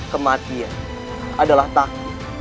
kematian adalah takdir